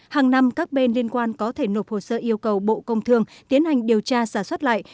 hàng năm các bên liên quan có thể nộp hồ sơ yêu cầu bộ công thương tiến hành điều tra giả soát lại